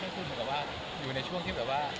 แสดงว่าอยู่ในช่วงที่แบบว่า